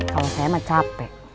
kalau saya mah capek